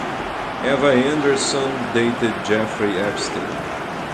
Eva Andersson dated Jeffrey Epstein.